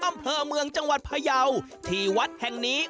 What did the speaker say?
อำเภอเมืองจังหวัดพยาวที่วัดแห่งนี้